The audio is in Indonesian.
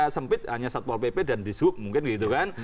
sempit hanya satpol pp dan di sub mungkin gitu kan